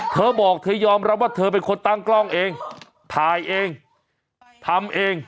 เธอบอกเธอยอมรับว่าเธอเป็นคนตั้งกล้องเองถ่ายเองทำเอง